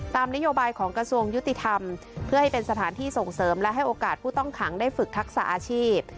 นโยบายของกระทรวงยุติธรรมเพื่อให้เป็นสถานที่ส่งเสริมและให้โอกาสผู้ต้องขังได้ฝึกทักษะอาชีพ